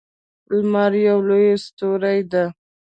لمر یوه لویه ستوری ده